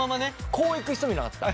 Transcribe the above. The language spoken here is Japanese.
こういく人もいなかった？